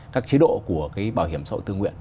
các chế độ của cái bảo hiểm xã hội tự nguyện